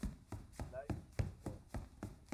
Life Support.